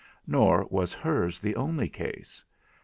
Nor was hers the only case.